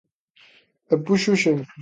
E puxo exemplos.